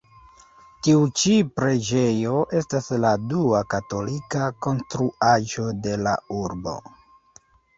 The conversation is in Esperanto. Tiu ĉi preĝejo estas la dua katolika konstruaĵo de la urbo.